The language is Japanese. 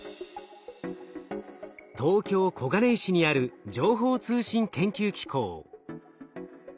東京小金井市にある情報通信研究機構。